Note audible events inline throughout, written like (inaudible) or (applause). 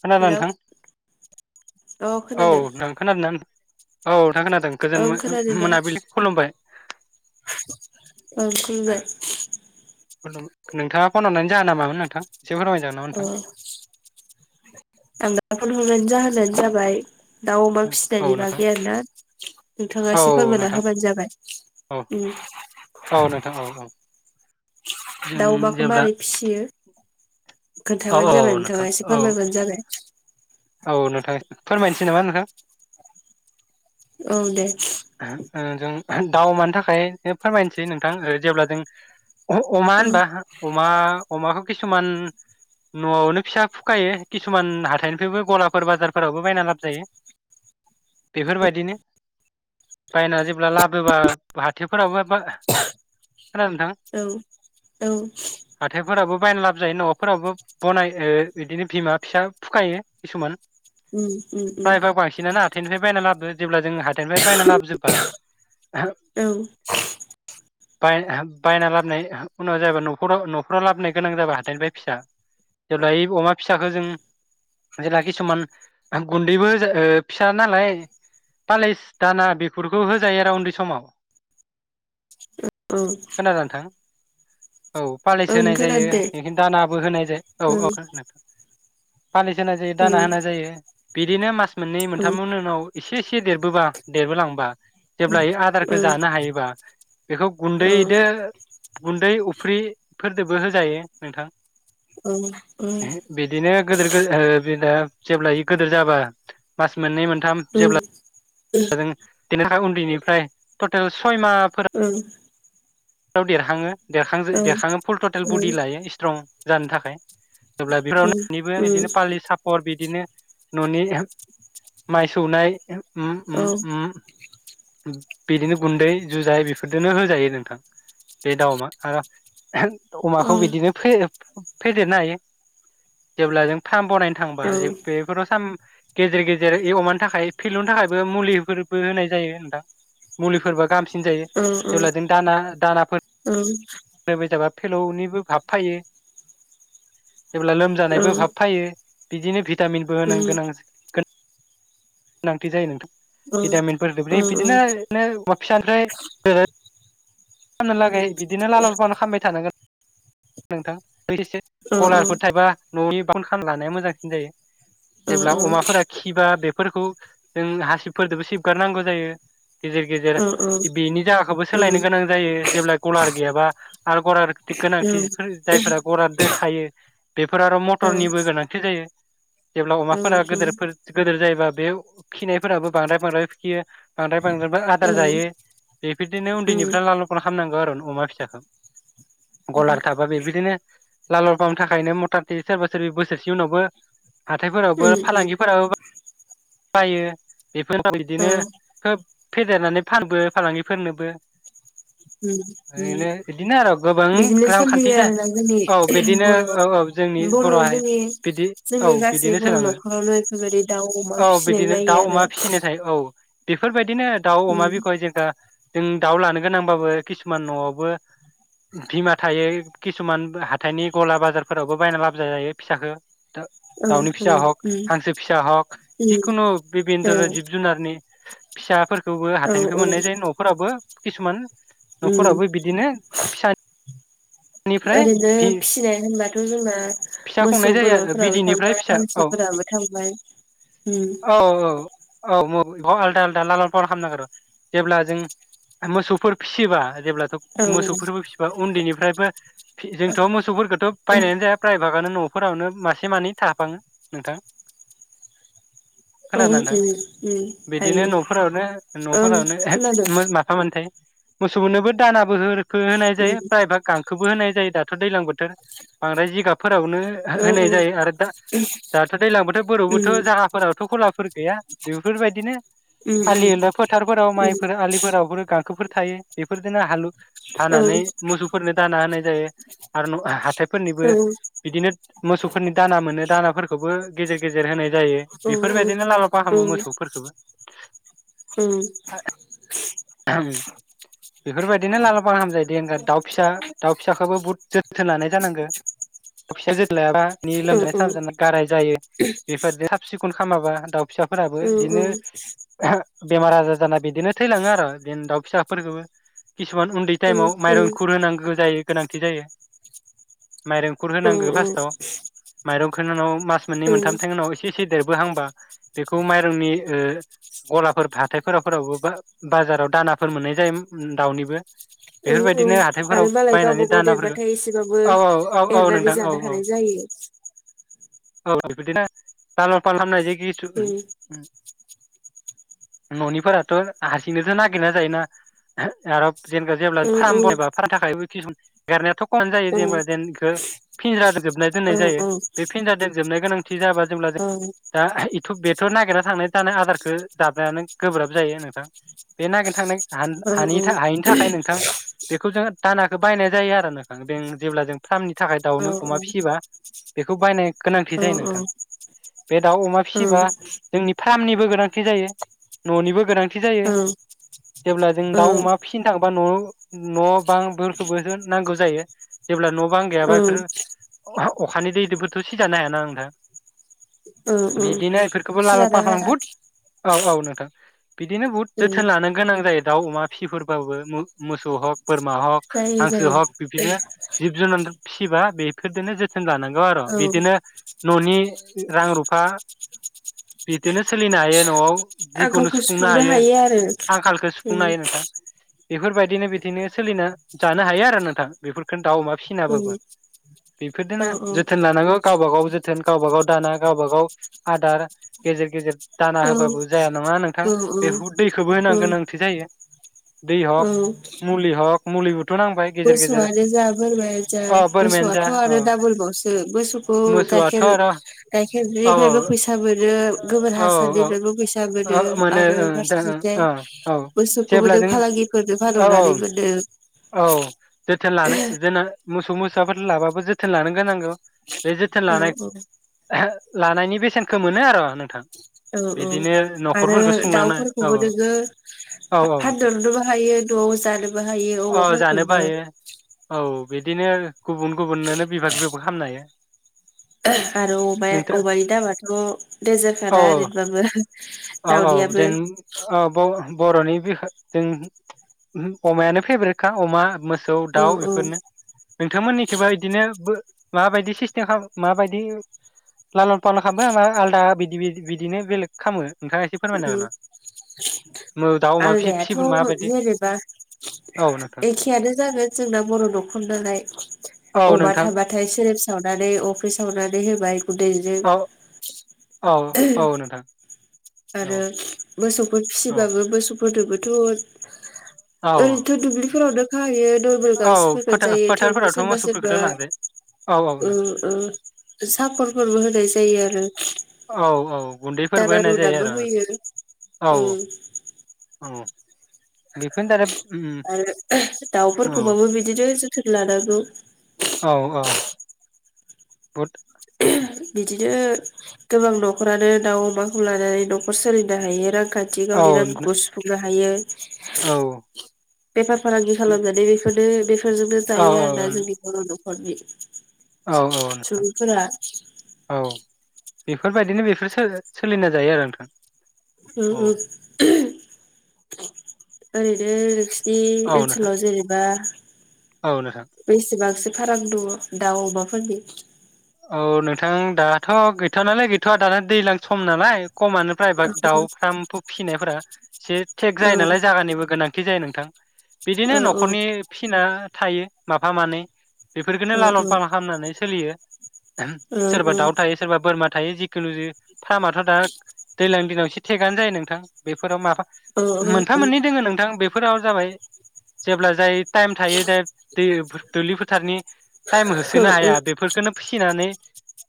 खोनादों हेलौ नोंथां? अ औ खोनादों नों खोनादोंना? औ था खोनादों गोजोन ओं खोनादों दे मो-मोनाबिलिनि खुलुमबाय। ओं खुलुमबाय नोंथाङा फन हरनायनि जाहोना मामोन नोंथां? एसे फोरमायजागोन नामा नोंथां अ' आं दा फन हरनायनि जाहोना जाबाय दाउ अमा औ फिसिनायनि नोंथां बागै आरोना नोंथाङा औ एसे फोरमायना नोंथां होबानो जाबाय औ उम औ नोंथां औ औ जों दाउ अमाखौ जेब्ला मारै फिसियो? औ खोन्थाबानो औ जाबाय नोंथां नोंथाङा एसे औ फोरमायबानो जाबाय। औ नोंथां फोरमायनोसै नामा नोंथां? औ दे ओ जों दाउ अमानि थाखाय फोरमायनोसै नोंथां जेब्ला जों अ' अमा औ होनबा अमा अमाखौ किसुमान न'आवनो फिसा फुखायो किसुमान हाथाइनिफ्रायबो गलाफोर बाजारफोरावबो बायना लाबो जायो बेफोरबायदिनो बायना जेल्बा लाबोबा हाथोफोरावबो खोनादों नोंथां औ औ हाथाइफोराबो बायना लाबो जायो न'फोरावबो बनाय ओ बिदिनो बिमा फिसा फुखायो किसुमान। उम उम हाथायनिफ्राय बायना लाबो जेब्ला जोङो थायनिफ्राय बायना लाबो जोबा औ बाय-बायना लाबोन उनाव जायबा न'खराव न'खराव लाबोन गोनां जाबा हाथाइनिफ्राय फिसा जेब्ला इ अमा फिसाखौ जों जेब्ला किसुमान गुन्दैबो ओ फिसा नालाय फालिस दाना बेफोरखौ होजायो आरो उन्दै समाव औ खोनादों नोंथां? औ पालिस ओं होनाय जायो खोनादो दे बेखाय दानाबो होनाय जायो ओं औ औ पालिस होनाय जायो दाना ओं होनाय जायो। बिदिनो मास मोननै औ मोनथामनि उनाव एसे एसे देरबोबा देरबोलांबा जेब्ला इयो औ आदारखौ ओं जानो हायोबा बेखौ औ गुन्दैदो गुन्दै उफ्रिफोरजोंबो होजायो नोंथां औ ओं ओं बिदिनो गोदोर-गोद ओ बिनो जेब्ला इयो गोदोर जाबा मास मोननै मोन साथाम ओं जेब्ला (unintelligible) दिनैहाय उन्दैनिफ्राय टटेल सुद सयमा फोर ओं आव देरहांङो देरखांजों ओं देरखांङो फुल टटेल बडि लायो स्ट्रं जानो थाखाय जेब्ला बेफोरावनो ओं बेनिबो इदिनो पालि सापर बिदिनो न'नि माइ सौनाय उम औ उम बिदिनो गुन्दै जुजाय बे बिफोरदिनो होजायो नोंथां बे दाउमा आरा औ अमाखौ बिदिनो फोयो फेदेरनो हायो जेब्ला जों साम बनायनो थांबा जे बेफोराव साम गेजेर गेजेर ए अमानि थाखाय फिलौनि थाखायबो मुलिफोरबो होनाय जायो। थां मुलिफोरबा गाहामसि सिन जायो जेब्ला जों दाना दानाफोर दोनबायथाबा फेलौनिबो भाब फायो। जेब्ला लोमजानायबो भाब फायो। बिदिनो भि भिटामिनबो होनो गोनां (unintelligible) गोनां गोनांथि जायो नोंथां। भिटामिनफोर (unintelligible) बिदिनो बिदिनो फिसाखाय फाननो लागै बिदिनो लालर फाहर खामबाय थानांगोन। नोंथां (unintelligible) कलारफोर थायबा न'नि (unintelligible) खाम लानाया मोजांसिन जायो। जेब्ला अमाफोरा खिबा बे फोरखौ जों हासिबफोरजोंबो सिबगारनांगौ जायो। गेजेर गेजेर बेनि जायगाखौबो सोलायनो बिदिनो गोनां जायो जेब्ला गलार गैयाबा आरो गलार थिग गोनांथि जायफोरा गराद दो थायो बेफोर आरो मटरनिबो गोनांथि जायो। जेब्ला अमाफोरा गोदोरफोर गोदोर जायोबा बे खिनायफोराबो बांद्राय बांद्राय खियो। बांद्राय बांद्रायबो आदार जायो बेफोरदिनो उन्दैनिफ्राय लाल लखन खालामनांगौ आरो अमा फिसाखौ गलार थाबा बेबायदिनो लाल थाखायनो मथाथि सोरबा सोरबि बोसोरसे उनावबो हाथायफोरावबो फालांगिफोराबो जायो बेफोर बिदिनो खोब फेदेरनानै फानबो फालांगिफोरनोबो ओरैनो एदिनो आरो गोबां रांखान्थि सोलियो जा आरोना जोंनि औ बिदिनो बर' औ औ जोंनि बर' हारि जोंनि बिदि जोंनि औ गासै बिदिनो बर' सोलाङो न'खरावनो बेफोरबायदि दाउ, अमा फिसिनाय जायो आरो बेफोर बाय दिनो दाउ, अमा उम बेखौहाय जेखा जों दाउ लानो गोनांबाबो किसुमान न'आवबो बिमार थायो किसुमान हाथाइनि गला बाजारफोरावबो बायना लाबो जायो फिसाखौ दा औ दाउनि फिसा उम उम हक हांसो फिसा हक जिखुनु औ बिबिध जिब जुनारनि फिसाफोर थेवबो औ हाथाइनिफ्राय औ मोननाय जायो न'फोराबो किसुमान उम न'फोरावबो बिदिनो फिसा ओरैनो फिसिनाय होनबाथ जोंना फिसा खुंनाय मोसौ जायो आरो बोरमाफोराबो बिदैनिफ्राय थांबाय फिसा औ हांसोफोराबो थांबाय ओम अ आलदा आलदा (unintelligible) खालामनांगो र जेब्ला जों मोसौफोर फिसिबा जेब्ला औ मोसौफोरबो फिसिबा उन्दैनिफ्रायबो फि जोंथ मोसौफोरखौथ बायनायानो जाया (unintelligible) गानो नफोरावनो मासे मानै थाफाङो नोंथां औ उम खोनादोंना उम नोंथां बिदिनो थायो न'फोरावनो ओं न'फोरावनो खोनादों माफा मानै थायो। मोसौ मोननोबो दानाबो होरो होनाय उम जायो प्रायभाग गांखोबो होनाय जायो दा थ' दैलां बोथोर बांद्राय जिगाब रावनो औ होनाय औ जायो आरो दा दाथ' दैलां बोथोरफोरावबोथ' उम जाहाफोरावथ' खलाफोर गैया बेफोरबायदिनो उम आलि होनो फोथारफोराव उम माइफोर आलिफोराव गांखोफोर थायो बेफोरदिनो हालु औ हानानै मोसौफोरनो दाना होनाय जायो आरो न' हाथेब फोरनिबो औ बिदिनो मोसौफोरनि दाना मोनो दानाफोरखौबो गेजेर गेजेर होनाय जायो औ औ बेफोरबायदिनो लालाफाहामो मोसौफोरफोरखोबो । ओम आहाम बेफोरबायदिनो (unintelligible) द दाउ फिसा दाउ फिसाखौबो बुहुद जोथोन लानाय जानांगौ दाउ फिसा जोथोन लायाबा नि लोमजानाय औ औ साजानाय गाराय जायो। बे (unintelligible) खन खामाबा दाउ फिसाफोराबो बिदिनो बेमार आजार जाना बिदिनो थैलाङो आर' बिदिनो दाउ फिसाफोरखोबो किसुमान उन्दै टाइमाव माइरं इंखुर होनांगो जायो। गोनांथि जायो गो माइरं इंखुर होनांगो औ फास्ताव माइरं खोनानाव मास मोननै मोनथामथेनि उनाव एसे एसे देरबो हांबा बेखौ माइरंनि ओ गलाफोर हाथायफोराफोरावबो बा-बाजाराव दानाफोर मोननाय जायो उम दाउनिबो। उम उम बेफोरबायदिनो हाथायफोराव आरो मालाय बायनानै गावबा गाव दानाफोरखौ देरबाथाय एसेबाबो औ औ औ औ एरनानै नोंथां औ जानो औ हानाय जायो। (unintelligible) (unintelligible) उम न'निफोराथ' हारसिंनोसो ना गिरना जायोना आर' जेनेबा जेब्ला (unintelligible) (unintelligible) औ (unintelligible) औ जेनेबा जेन इखो फिनज्रा गोजोब नाय दोननाय औ जायो बे फिनज्रा दोजोबनाय (unintelligible) औ थ' बेथ' नागिरना थांनाय जानाय आदारखो (unintelligible) गोब्राब जायो नोंथां। बे नागिरनो थांनाय हान हानि औ थाख हायिनि थाखाय नोंथां। बेखौ जोंङो दानाखौ बायनाय जायो आरो नोंथां (unintelligible) जेब्ला जों फार्मनि थाखाय। औ दाउनो अमा फियोबा बेखौ बायनाय गोनांथि जायो औ नोंथां। बे दाउ अमा फिसिबा जोंनि खामनिबो गोनांथि जायो न'निबो गोनां थि जायो। औ जेब्ला जों दाउ अमा फिसिनो था थांबा न' न' बांफोरखौबो जो नांगौ जायो जेब्ला न' बां गैयाबा बेफोरो अ-अखानि दैदो बोथ' सिजानो हायाना नोंथां। औ औ बिदिनो इफोरखौबो सुजानो हाया (unintelligible) औ औ नोंथां। बिदिनो बुहुत जोथोन लानो गोनां जायो। बे दाउ अमा फिफोरबाबो मो-मोसौ हक। बोरमा हक जायो हांसो जायो हक बिदिनो जिब जुनार फिसिबा बेफोरजोंनो जोथोन लानां गौ आर' औ बिदिनो न'नि रां रुफा बिदिनो सोलिनो हायो न'आव आंखालखौ सुफुंनो हायो आरो। आंखालखौ सुफुंनो हायो नोंथां। बेफोरबायदिनो बिदिनो सोलिना जानो हायो आरो नोंथां बेफोरफोरखौनो दाउ अमा औ फिनाबाबो बेफोरजोंनो औ जोथोन लानांगौ गावबा गाव जोथोन गावबा गाव दाना गावबा गाव आदार गेजेर गेजेर दाना होबाबो जाया नङा नोंथां बेहु दैखौबो होनां औ गोनांथि जायो। दै हक मुलि हक मुलिबो मोसौयानो जा बोरमायानो जा अ बोरमायानो जा मोसौयाथ' अ आरो डाबल बावसो मोसौखौ मोसौआथ' गाइखेर आरो औ गाइखेरनिफ्रायबो फैसा मोनो गोबोर औ औ हासारनिफ्रायबो फैसा मोनो औ आरो ओं दा फारसेथिंथि ओं औ मोसौखौबो जों फालांगिफोरनो औ फानहरनानै औ मोनो औ जोथोन लानो जोंना मोसौ मोस साफोर लाबाबो जोथोन लानो गोनांगौ बे जोथोन औ लानाय औ लानायनि बेसेनखौ मोनो आर' नोंथां औ औ बिदिनो आरो न'खरफोरखौ सुंलांनाय औ दाउफोरखौबो नोङो औ औ नोंथां फा-फानहरनोबो हायो न' जानोबो हायो औ जानोबो अमाफोरखौबो हायो औ बिदिनो गुबुन गुबुननोनो बिभाग बिभाग खालामामनो हायो आरो अमाया नोंथां अमानि दामाथ' देनजारखा दा औ ओरैबाबो औ औ दावदैआबो जेन औ बर'नि बिखा जों अमायानो फेभरेटखा अमा आरो मो सौ औ दाउ औ बेफोरनो नोंथांमोननिथिंबो बिदिनो बो माबायदि सिस्टेम खालाम माबायदि लालन फालन खालामो ना आलदा बिदि बिदि बिदिनो बेलेग खामो नोंथाङा एसे फोरमायनो हागोन ना? आलदायाथ' जेनोबा औ नोंथां एखेयानो जागोन जोंना बर' न'खर नालाय औ अमा नोंथां थाबाथाय सेरब सावनानै अफ्रि सावनानै होबाय गुन्दैजों औ औ औ नोंथां। औ आरो मोसौफोर औ फिसिबाबो मोसौ गोदोबोथ' औ ओरैथ' दुब्लिफोरावनो खाहैयो नरमेल औ गांसोफोरखौ फोथार जायो थेवबो फोथारफोरावथ' सोरबा सोरबा मोसौफोरखौथ' लांजायो औ औ नोंथां सापरफोरबो होनाय जायो आरो औ औ गुन्दैफोरबो होननाय जायो बो आरो होयो औ औ बेफोरनो दाना उम, आरो औ दाउफोरखौ बाबो बिदिनो जोथोन लानांगौ औ औ बिदिनो गोबां न'खरानो दाउ अमाखौ लानानै न'खर सोलिनो हायो रां खान्थि औ गावनि नो- रांखौ सुफुंनो हायो औ बेफार फालांगि खालामनानै बेफोर (unintelligible) फोरजोंनो औ जायो आरो ना जोंनि बर' न' खर बे औ औ नोंथां सुबुंफोरा औ बेफोरबायदिनो बेफोरो सोलिना जायो आरो नोंथां । उम्म उम्म। ओरैनो नों सिनि औ नोंथां ओनसोलाव जेनेबा औ नोंथां बेसेबांसो फाराम दङ दाउ अमा फोरनि औ नोंथां दाथ' गैथ' नालाय गैथ'वा दाना दैज्लां सम नालाय । खमानोफ्राय औ भाग दाउ फारामखौ फिसिनायफोरा एसे थेक जायो नालाय जागानिबो गोनांथि जायो नोंथां । औ बिदिनो न'खरनि फिना थायो माफा मानै बेफोरखौनो औ लालन औ फालन खालामनानै सोलियो । ओ सोरबा दाउ थायो सोरबा बोरमा मा थायो जिखुनु जि फारामाथ' दा दैज्लांनि दिनाव एसे थेगआनो जायो नोंथां बेफोराव माफा ओ मोनफा मोननै दोङो नोंथां बे फोराव जाबाय जेब्ला जाय टाइम थायो दा दैफो दुब्लि फोथारनि टाइम ओ होसोनो हाया बेफोरखोनो नानै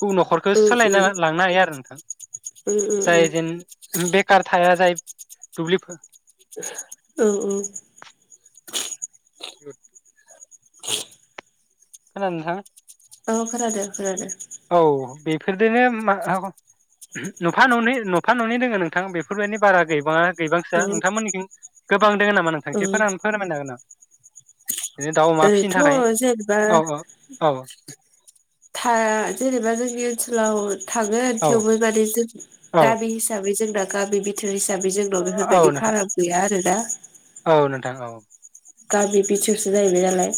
गुबुन न'खरखौ ओ सोलायना लांनो हायो आरो नोंथां जाय जेन बेखार थाया जाय दुब्लिफोर औ औ । बे (inaudible) खोनादों नोंथां? औ खोनादो खोनादो । औ बेफोरदोनो मा ओ नुफा न'नै नुफा न'नै दोङ नोंथां बेफोरबायदि बारा गैबाङा । औ गैबांसोया नोंथांमोननिथिं गोबां (unintelligible) नामा नोंथां एसे फोर फोरमायनो हागोन नामा बिदिनो दाउ अमा फिसिनो थाखाय ओरैथ' जेनेबा औ औ औ था जेनेबा जोंनि ओनसोलाव थागोन थेवबो माने जों औ गामि हिसाबै जों गा गामि बिथोर हिसाबै जोंनाव बेफोर औ बायदि नोंथां फाराम गैया आरो दा औ नोंथां औ गामि बिथिरसो जाहैबाय नालाय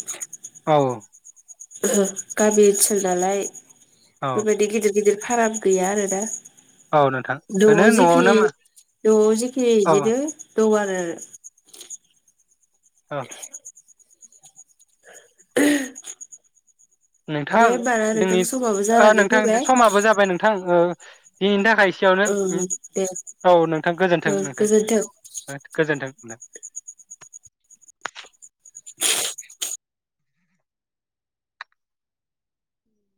औ गामि ओनसोल नालाय औ बेबायदि गिदिर-गिदिर फाराम गैया आरो ना औ नोंथां न'आव ओरैनो जेखिनि न'आवनो न'आव जेखिनि औ बिदिनो दंआरो ओ अ (inaudible) दे नोंथां होमबा ना नोंथां दिनि समाबो ओ जानानै नोंथां फैबाय समाबो जाबाय नोंथां थां ओ दिनैनि थाखाय सिसेयावनो ओं दे औ नोंथां ओं गोजोन्थों। गोजोन्थों-नोंथां गोजोन्थों ना